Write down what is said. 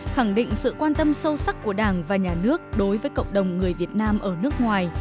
khẳng định sự quan tâm sâu sắc của đảng và nhà nước đối với cộng đồng người việt nam ở nước ngoài